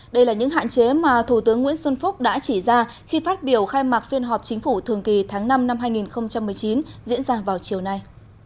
đây là những hạn chế mà thủ tướng nguyễn xuân phúc đã chỉ ra khi phát biểu khai mạc phiên họp chính phủ thường kỳ tháng năm năm hai nghìn một mươi chín diễn ra vào chiều nay